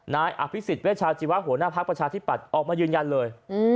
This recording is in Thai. นายอภิษฎเวชาชีวะหัวหน้าภักดิ์ประชาธิปัตย์ออกมายืนยันเลย